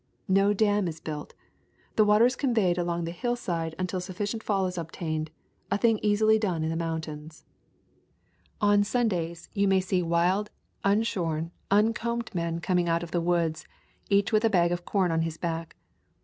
No dam is built. The water is conveyed along some hillside until sufficient [35 ] A Thousand Mile Walk fall is obtained, a thing easily done in the mountains. On Sundays you may see wild, unshorn, un combed men coming out of the woods, each with a bag of corn on his back.